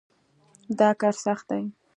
دا کار سخت دی.